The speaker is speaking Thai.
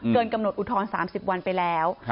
เกินกำหนดอุทธรณ์๓๐วันไปแล้ว